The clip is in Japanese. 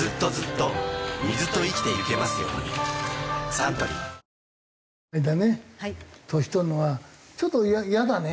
サントリーあれだね年取るのはちょっとイヤだね